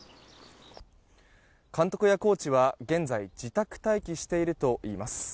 監督やコーチは現在自宅待機しているといいます。